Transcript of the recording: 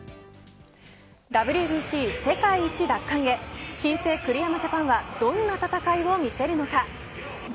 ＷＢＣ世界一奪還へ新生栗山ジャパンはどんな戦いを見せるのか。